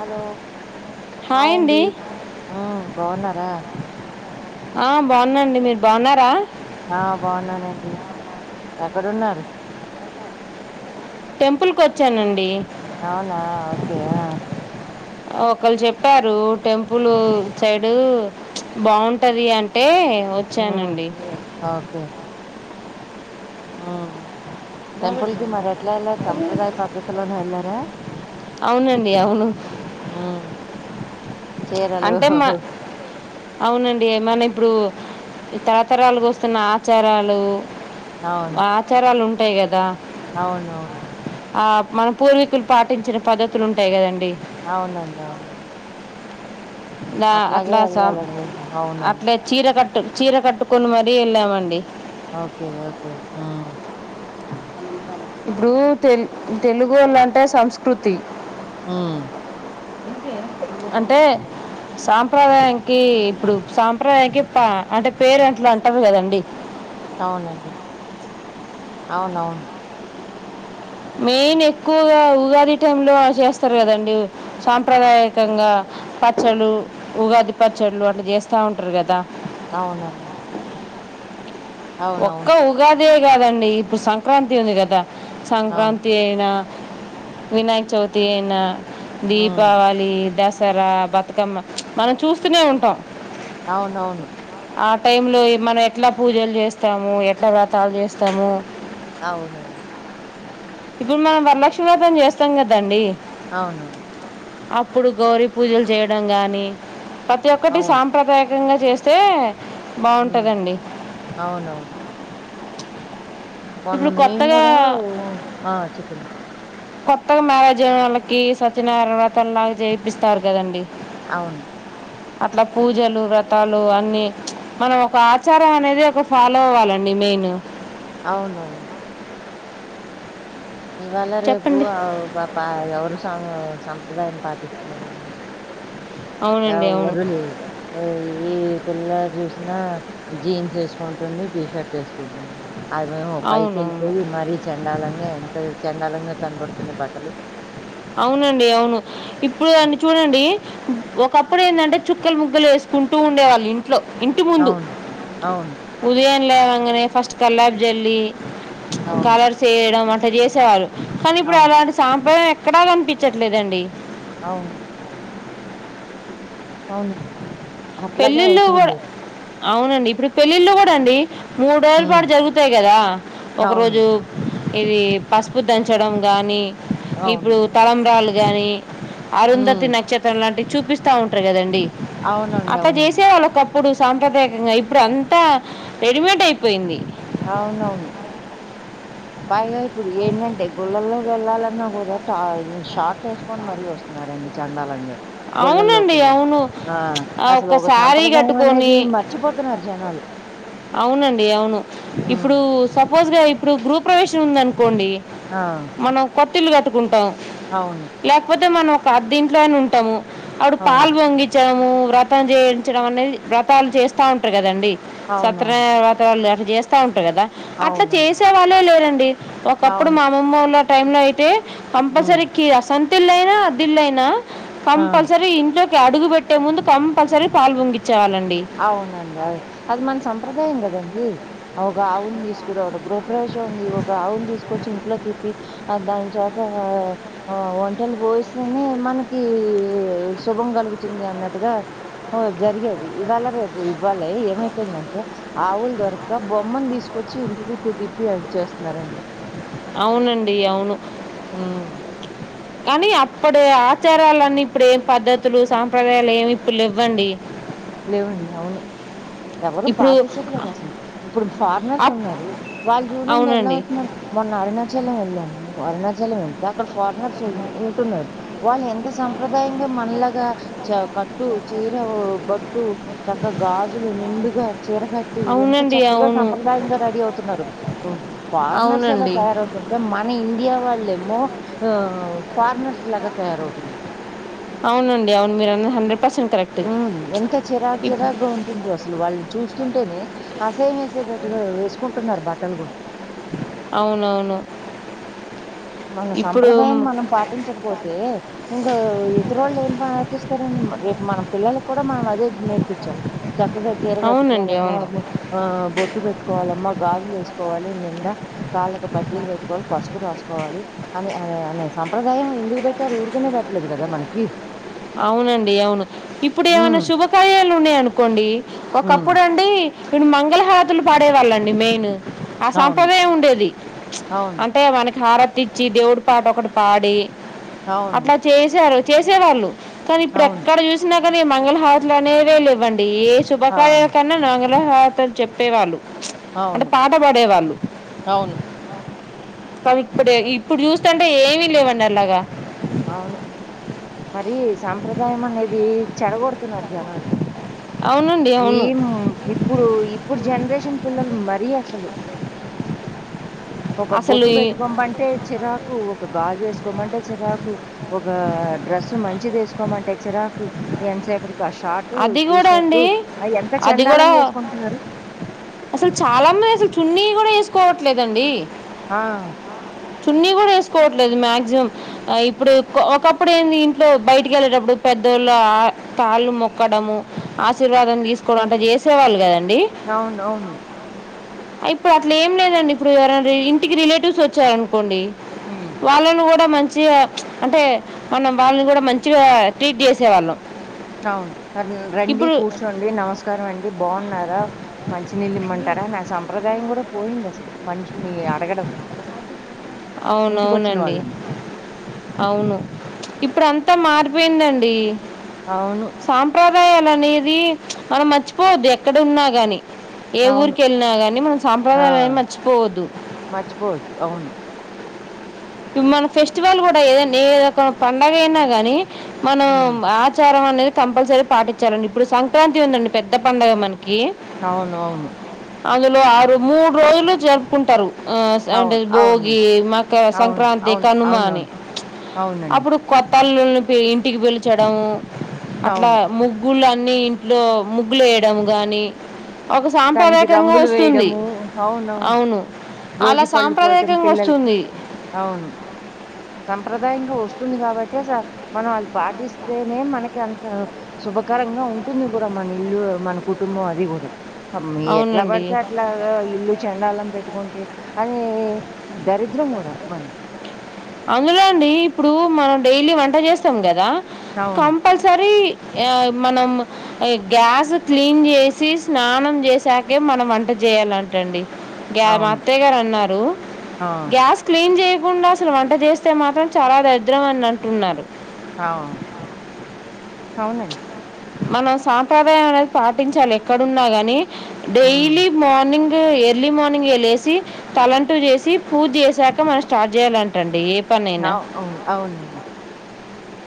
Hello hi అండి మ్మ్ బాగున్నారా ఆ బాగుండండి మీరు బాగున్నారా ఆ బావున్నానండి ఎక్కడున్నారు టెంపుల్ కి వచ్చానండి అవునా ఒకే ఆ ఒకలు చెప్పారు టెంపుల్ సైడ్ బావుంటది అంటే ఉమ్ వచ్చానండి ఆ టెంపుల్ కి మరి ఎట్లా ఎల్లార్ సంప్రదాయ పద్ధతి హలో బావున్నారా అవునండి అవును చీరలు అంటే హ్మ్ మా హ్మ్ అవునండి మన ఇప్పుడు తరతరాలగొస్తున్న ఆచారాలు ఆ ఆచారాలు టై కద అవునువును ఆ మన పూర్వీకులు పాటించిన పద్ధతులు ఉంటాయి కదండి అవునండి అవునవును నా అట్లాగే అట్లా స వెళ్ళాలండి అవునవును అట్లే చీర కట్ట చీర కట్టుకొని మరీ వెళ్ళామండి ఒకే ఒకే ఆ ఇప్పుడు తె తెలుగోల్లు అంటే సంస్కృతి మ్మ్ అంటే సాంప్రదాయానికి ఇప్పుడు సాంప్రదాయానికి ప అంటే పేరు అట్ల అంటారు కదండి అవునండి అవునవును మెయిన్ ఎక్కువగా ఉగాది టైంలో చేస్తారు కదండి సాంప్రదాయకంగా పచ్చళ్ళు ఉగాది పచ్చళ్ళు అలా చేస్తూ ఉంటారు కదా అవునండి ఒక్క అవునవును ఉగాది దే కాదండి ఇప్పుడు సంక్రాంతి ఉంది కదా అవును సంక్రాంతి అయినా వినాయక్ చౌతి అయిన ఉమ్ దీపావళి దస సర బతుకమ్మ మనం చూస్తూనే ఉంటాం అవునవును ఆ టైమ్ లో మనం ఎట్లా పూజలు చేస్త వస్తాము ఎట్లా వ్రతాలు చేస్తాము అవునండి ఇప్పుడు మనం వరలక్ష్మీ వ్రతం చేస్తాం కదండీ అవును అప్పుడు గౌరీ పూజలు చేయడం గానీ ప్రతి ఒక్కటి సాంప్రదాయకంగ చేస్తే ఉమ్ బాగుంటుందండి అవునవును ఇప్పుడు మొన్నం మేము కొత్తగా కూడా ఆ చెప్పండి కొత్తగా మ్యారేజ్ అయిన వాళ్ళకి సత్యనర్వతలాగా చేయిపిస్తారు కదండి అవును అట్లా పూజలు వ్రతాలు అన్ని మనం ఒక ఆచారం అనేది ఒక ఫాలో అవ్వాలండి మెయిన్ అవునవును ఇవాళ రేపు చెప్పండి అ పాప ఎవరు సా సంప్రదాయాన్ని పాటిస్తున్నారండి అవునండి అవును ఎవరు లేరు ఎ ఏ పిల్ల చూసినా జీన్స్ వేసుకుంటుంది టీ షర్ట్ వేసుకుంటుంది అవి ఎమో పైకి అవునవును వెళ్ళిపోయి మరీ చెండాలంగా ఎంత చెం డాలంగా కనబడుతున్నాయి బట్టలు అవునండి అవును ఇప్పుడు దాన్ని చూడండి ఒకప్పుడు ఏందంటే చుక్కలు ముగ్గులు వేసుకుంటూ ఉండేవాళ్ళు ఇం ట్లో ఇంటి ముందు అవును. అవును. ఉదయం లేవంగానే ఫస్ట్ కల్లాపి జల్లి చ్ అవును. కలర్స్ వేయడం అ [unintelligible] చేసేవాళ్లు కానీ ఇప్పుడు అవును. అలాంటి సంప్రదాయం ఎ క్కడా కనిపించట్లేదండి అవును అవును అట్లాగే అవుతుంది అవునండీ ఇప్పుడు పెళ్లిళ్లు కూడా అండి మూడు రోజుల హ్మ్. పాటు జరుగుతాయి కదా ఒక అవును. రోజు ఇది పసుపు దంచడం గానీ అవును. ఇప్పుడు తలంబ్రాలు గానీ హ్మ్. అరుంధతి నక్షత్రం లాంటి చూపిస్తా ఉంటారు కాదండీ అవునండి అ ఇట్ల చేసేవాళ్ళ అప్పుడు సాంప్రదాయకంగా ఇప్పుడు అంతా రెడీమేడ్ అయిపోయింది. అవునవును పైగా ఇప్పుడు ఏంటంటే గుళ్ళల్లో వెళ్ళాలన్నా కూడా ఆ షార్ట్లు వేసుకొని మరీ వస్తున్నారండి చండాలంగా గుళ్ళల్లో అవునండి కూడా. అవును ఆ! ఆ అసలు ఒక శారీ సంప్రదాయం అనేది కట్టుకొని మర్చిపోతున్నారు జనాలు. అవునండి అవును హ్మ్. ఇప్పుడు సపోజ్గా మీ గృహ ప్రవేశం ఉందం కోండి ఆ! మనం కొత్ ఇల్లు కట్టుకుంటాం అవును. లేకపోతే మనం అద్దింట్లోనే ఉంటాము అప్పుడు అవును. పాలు పొంగించావ్ వ్రతం చేయించడం అనేది వ్రతాలు చేస్తా ఉంటారు కదండి అవునవును. సత్యనారాయణ వ్రతం ఉందండి చేస్తాం కదా అట్లా అవునండి. చేసే వాళ్ళే లేరండి ఒకప్పుడు అవును. మా అమ్మమ్మూర్లో టైమ్ లో అయితే హ్మ్. కంపల్సరికి అసాం తల్లైనా, పిల్లైన పం ఆ! సరే సరే ఇంట్లో అడుగు పెట్టే ముందు కంపల్సరీ పాలు పొంగిం అవునండి అ అది మన సంప్రదాయం కదా దండి ఒక ఆవుని తీసుకురావడం గృహప్రవేశం ఉంది ఒక ఆవుని తీసుకొచ్చి ఇంట్లో తిప్పి దాని చేత ఒంటికి పోయిస్తేనే మనకి శుభం కలుగుతుంది అన్నట్టుగా జరిగేది ఇవ్వాల, రేపు ఇవ్వాల ఏమైపోయిందంటే ఆవులు దొరక్క బొమ్మను తీసుకొచ్చి ఇంటి చుట్టూ తిప్పి అట్ల చేస్తున్నారండి అవునండి అవును ఉమ్, కానీ అప్పుడు ఆచారాలన్నీ ఇప్పుడు ఏం పద్ధతులు, సాంప్రదాయాలు ఏమి ఇప్పుడు లేవండి లేవండి అవును ఎవరు ఇప్పుడు పాటించట్లేదు అసలు ఇప్పుడు ఫారినర్స్ అప్- ఉన్నారు వాళ్ళు చూడండి ఎలా అవునండి వస్తున్నారు మొన్న ఆడిన చలం వెళ్ళాము. అరుణాచలం వెళ్తే అక్కడ ఫారినర్స్ ఉంటున్నారు. వాళ్ళు ఎంత సంప్రదాయంగా మనలగా చ కట్టు చీర బొట్ ట్టు చక్క గాజులు నిండుగా చీర కట్టి ఎంత అవునండి చక్కగా అవును సంప్రదాయంగా రెడీ అవుతున్నారు ఫారినర్స్ అలా అవునండి తయారవుతుంటే మన ఇం ఇండియా వాళ్ళేమో ఆ ఫారినర్స్ లాగా తయారవుతున్నారు అవునండి అవును మీరన్నది హండ్రెడ్ పర్సెంట్ కరెక్ట్ మ్మ్ ఎంత చిరాక్ ఇప్ చిరాగ్గా ఉంటుందో అసలు వాళ్ళని చూస్ స్తుంటేనే అసయం వేసేటట్టుగా వేసుకుంటున్నారు బట్టలు కూడా అవునవును మన ఇప్పుడు సంప్రదాయాన్ని మనం పాటించకపోతే ఇంకా ఇతరులు ఏం పాటిస్తారండి రేపు మన పిల్లలకు కూడా మనం అదే నేర్పిచాలి చక్కగా చీర అవునండి కట్టుకోవాలమ్మా అవును ఆ బొట్టు పెట్టుకోవాలమ్మా గాజులు వేసుకోవాలి నిండా కాళ్ళకు పట్టీలు పెట్టుకోవాలి పసుపు రాసు కోవాలి అని అనే అనే సంప్రదాయం ఎందుకు పెట్టారు ఊరుకనే పెట్టలేదు కదా మనకి అవునండి అవును ఇప్పుడు ఏమైనా హ్మ్. శుభకార్యాలు ఉన్నాయనుకోండి హ్మ్. ఒకప్పుడండి కొన్ని మంగళహారతులు పాడేవాళ్ళండి మెయిన్ ఆ అవును. సంప్రదాయం ఉండేది అవును. అంటే మనకి హార తెచ్చి దేవుడి పాట ఒకటి పాడి అవును. అట్ల అవును. చేసారు చేసేవారు కానీ అవును. ఇప్పుడెక్కడ చుసినా ఈ మంగళహారాతులనేవే లేవండి యే ఆ! శుభకార్యాలకన్నా మహాభారతం చెప్పేవాళ్ళు అంటే అవును. పాట పాడే వాళ్ళు అవును. అవి ఇప్పుడు ఇప్పుడు చూస్తంటే ఏమీ లేవండి అలాగా అవును మరి సాంప్రదాయం అనేది చెడగొడుతున్నారు జనాలు అవునండి అవును ఏం ఇప్పుడు ఇ ఇప్పుడు జనరేషన్ పిల్లలు మరీ అసలు ఒక అసలు బొట్టు ఈ- పెట్టుకోమ్మంటే చిరాకు ఒక గాజేసుకోమంటే చిరా కు ఒక డ్రెస్ మంచిదేసుకోమంటే చిరాకు ఎంతసేపటి అది గూడా అండి ఎంత అది గూడా చెండాలంగా ఏసుకుంటున్నారు. అసలు చాలా మంది అసలు చున్నీ కూడా వేసు కోవట్లేదండి ఆ చున్నీ గూడా వేసుకోవట్లేదు మాక్సిమం ఆ ఇప్పుడు ఒకప్పుడు ఏంది ఇంట్లో బయటికి వెళ్ళేటప్పుడు పెద్దోళ్ళు కాళ్ళు మొక్క క్కడము ఆశీర్వాదం తీసుకోవడం అంటే చేసేవాళ్ళు కదండి అవును అవును ఇప్పుడు అట్ల ఏం లేదండి ఇప్పుడు ఎవరనా ఇంటికి రిలేటివ్స్ వచ్చారనుకోండి హ్మ్. వాళ్ళను త మంచిగా అంటే మనం వాళ్ళని కూడా మంచిగా ట్రీట్ చేసేవాళ్ళం అవును రండి ఇప్పుడు కూర్చోండి నమస్కారం అండి బాగున్నారా మంచినీళ్ళు ఇమ్మంటారా, నా సంప్రదాయం కూడా పోయింది అసలు మనిషిని అడగడం ఇంటికొచ్చిన అవునవునండి వాళ్ళని అవును ఇప్పుడు అం త మారిపోయిందండి అవును అప్యాయాల అనేది మనం మర్చిపోవద్దు ఎక్కడ ఉన్నా గాని ఏ అవును ఊరిక ఎళ్ళినా గానీ మనం ఆ సాంప్రదాయాలని మర్చిపోవద్దు మర్చిపోవద్దు అవును ఇక మన ఫెస్టివల్ కూడా ఏదండి ఏదో పండుగ అయినా గానీ మనం ఉమ్, ఆచారం అనేది కంపల్సరీ పాటించాలండి ఇప్పుడు సంక్రాంతి ఉందండి పెద్ద పండగ మనకి అవును అవును అందులో ఆరు మూడు రోజులు జరుపుకుంటారు. ఆ స అండి అవును అవును భోగి మక సంక్ అవును అవును కనుమ అని అవునవును అవునండి అప్పుడు కొ అల్లుల్లని ఇంటికి పిలచడం అట్లా అవును ముగ్గుల్ అన్నీ ఇంట్లో ముగ్గులు వేయడం గానీ దానికి రంగులు వేయడము అవునవును, అవును భోగి అలా పళ్ళు పోయడం సాంప్రదాయకంగా పిల్లలకి వస్తుంది అవును సంప్రదాయంగా వస్తుంది కాబట్టి మనం అది పాటిస్తేనే మనకి అంత శుభకరంగా ఉంటుంది కూడా, మన ఇల్లు మన కుటుంబం అది కూడా అమ్ మీ ఎట్లా అవునండి పడితే అట్లా ఇల్లు చెండాలం పెట్టుకుంటే అనే దరిద్రం కూడా మనది అందులో అండి ఇప్పుడు మనం డైలీ వంట చేస్తాం కదా అవును కంపల్సరి హే మనం గ్యాస్ క్లీన్ చేసి స్నానం చేసాకే మనం వంట చేయాలంటండి. గ్యా మా అవును అత్తయ్య గారు అన్నారు ఆ గ్యాస్ క్లీన్ చేయ ఉన్న అసలు వంట చేస్తే మాత్రం చాలా దరిద్రం అన్న అట్టున్నారు అవును అవునండి మనం సాంప్రదాయం అనేది పాటించాలి ఎక్కడున్నా గాని ఉమ్ డైలీ మార్నింగ్ ఎర్లీ మార్నింగ్ ఏ లేసి తలంటూ చేసి పూజ చేసాక మనం స్టార్ట్ చేయాలంటండి. అ పనైనా అవును అవునండి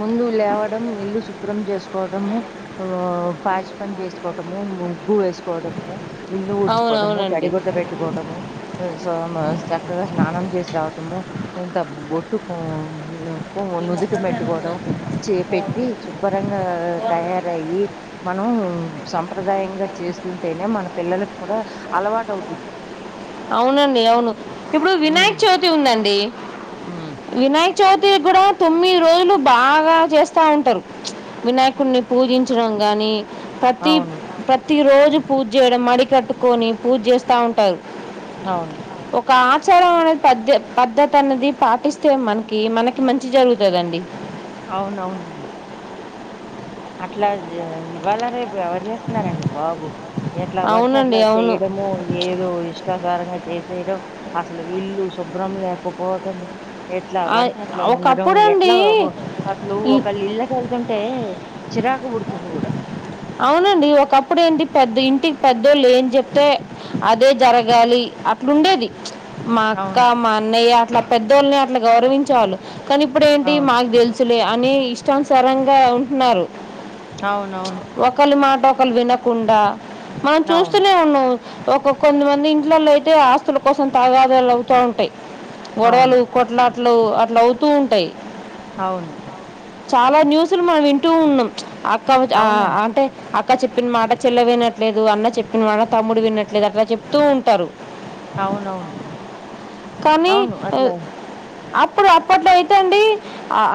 ముందు లేవడం ఇల్లు శుభ్రం చేసుకోవటము ఆ పాచి పని చేసుకోవటము ముగ్గు వేసుకోవడము ఇల్లు ఊడ్చుకోవటము అవునవునండి తడిగుద్ద పెట్టుకోవటము చక్కగా స్నానం చేసి రావటము ఎంత బోట్టుకు హు నుదిట పెట్ పెట్టుకోవడం చే పెట్టి శుభ్రంగా తయారయ్యి మనం సంప్రదాయంగా చేస్తుంటేనే మన పిల్లలకు కూడా అలవాట అవుతుంది అవునండి అవును ఇప్పుడు వినాయక్ చవితి ఉందండి ఉమ్మ్ వినాయక చవితి కూడా తొమ్మిది రోజులు బాగా చేస్త ఉంటారు వినాయకుడిని పూజించడం కానీ పతి అవును ప్ర ప్రతి రోజు పూజ చేయడం మడి కట్టుకొని పూజ చేస్తా ఉంటారు అవును ఒక ఆచారం అనేది పద్ద పద్ధతి అనేది పాటిస్తే మనకి మనకి మంచి జరుగుతుదండి అవునవును అట్లా జే ఇవవాల రేపు బ ఎవరు చేస్తున్నారండి బాబు ఎట్లా పడితే అట్లా అవునండి. అవును. చేయడము ఏదో ఇష్టసారంగా చేసేయడం అసలు వీల్లు శుభ్రం లేకపోవటము ఎట్లా ఆహ్, పడితే అట్లా ఉండడం ఒకప్పుడండి ఎట్లా అసలు ఈ ఒక ఇళ్ళకి వెళ్తుంటే చిరాకు పుడుతుంది కూడా అవునండి ఒకప్పుడు ఏంటి పెద్ద ఇంటికి పెద్దోళ్ళు ఏమ్ చెప్తే అదే జరగాలి అ ఇట్లుండేది మా అక్క అవును మా అన్నయ్య ఇట్ల పెద్ద పెద్దల్ని అట్లా గౌరవించాలి కానీ ఇప్పుడ ఏంటి అవును మాకు తెలుసులే అని స్టన్స్ స్రంగా ఉంటున్నారు అవునవును ప్చ్ ఒకలి మాట ఒకలు వినకుండా మనం అవును చూస్తూనే ఉన్నావు ఒక కొంతమంది ఇంట్లలో అయితే ఆస్తుల కోసం తాగాదాలు అవుతా ఉంటాయి అవును గొడవలు కొట్లా ట్లూ అట్లా అవుతూ ఉంటాయి అవును చాలా న్యూస్లు మనం వింటూ ఉన్నాం ప్చ్ అట్ వ ఆ అవునండి అక్క చెప్పిన మాట చెల్ల వినట్లేదు అన్న చెప్పిన మాట తమ్ముడు వినట్లేదు అట్లా చెప్తూ ఉంటారు అవునవును కానీ అవును ఓ అట్లా అప్పుడు అప్పట్లో అయితే అండి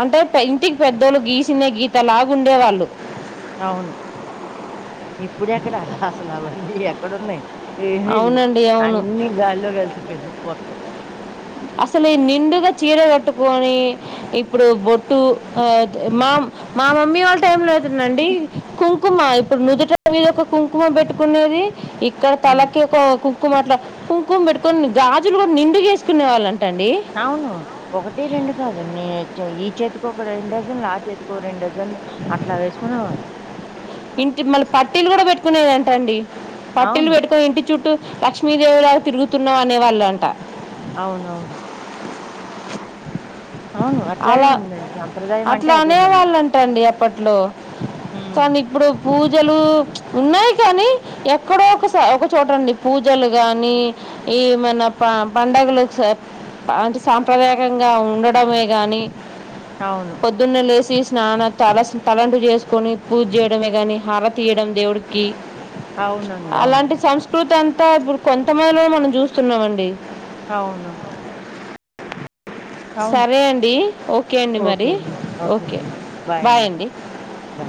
అంటే ఇంటికి పెద్దోళ్ళు గీసిందే గీత లాగా ఉండేవాళ్ళు అవును ఇప్పుడ ఎక్కడ అసలు అవన్నీ ఎక్కడ ఉన్నాయి ఏమి లేవు అవునండి అవును అన్ని గాలో కలిసిపోయినాయి మొత్ అసలు ఈ నిండుగా చీర కట్టుకొని ఇప్పుడు బొట్టు అ మా మా మమ్మీ వాళ్ళ టైంలో అండి కూ కుంకుమ ఇప్పుడు నుదుటవ ఒక కుంకుమ పెట్టుకునేది ఇక్కడ తలకి ఒక కు కుకు అట్లా కుంకుమ పెట్టుకొని గాజులు కూడా నిండుగేసి చ్ వాళ్లు అం అవును ఒకటి రెండు కాదు నే ఈ చేతికో ఒక రెడుజన్లు ఆ చేతికో రెండు డజన్లు అట్లా వేసుకునేవారు ఇంటి మళ్ళీ పట్టీలు కూడా పెట్టుకునేదం టండి పట్టిలు అవును. పెట్టుకోవింటే చుట్టు లక్ష్మీదేవి లాగా తిరుగుతున్నాం అనే వాళ్ళు అంట అవునవును అవును అట్లాగే అలా ఉందండి. సంప్రదాయం అంటే అట్లా అదే మంది. అనేవాళ్ళుంటాండి అప్పట్లో హ్మ్. కానీ ఇప్పుడు పూజలు ఉన్నాయి కానీ, ఎక్కడో ఒకస ఒక చోటండి పూజలు కానీ, ఏమైనా పండగలు అంటే సాంప్రదాయకంగా ఉండడంమే గానీ అవును. పొద్దునే లేసి స్నాన తల తలంటు చేసుకొని పూజ చేయడమే గాని హారతి ఇవ్వడం దేవుడికి అవునండి. అవును. అలాంటి సంస్కృతి అంత అంత ఇప్పుడు కొంతమందిలో మనం చూస్తున్నామండి అవునవును అవును. సరే అండి ఓకే అండి మరి ఓకే బాయ్ అండి బాయ్.